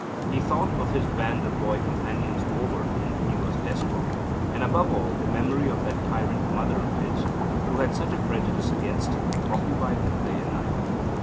He thought of his band of boy companions over whom he was despot; and, above all, the memory of that tyrant mother of his, who had such a prejudice against him, occupied him day and night.